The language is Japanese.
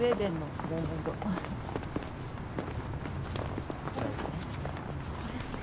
ここですね。